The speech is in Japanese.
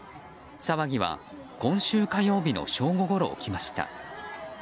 騒ぎは今週火曜日の正午ごろ起きました。